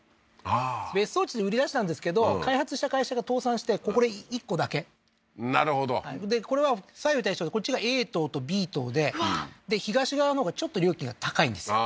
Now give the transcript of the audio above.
ああー別荘地で売りだしたんですけど開発した会社が倒産してこれ１個だけなるほどでこれは左右対称でこっちがＡ棟とＢ棟でで東側のほうがちょっと料金が高いんですよ